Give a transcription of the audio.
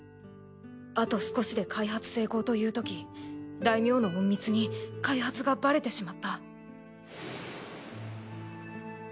あと少しで開発成功というとき大名の隠密に開発がバレてしまった。